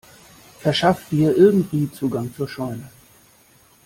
Verschaff dir irgendwie Zugang zur Scheune!